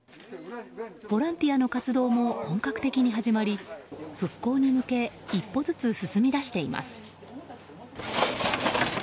ボランティアの活動も本格的に始まり復興に向け一歩ずつ進みだしています。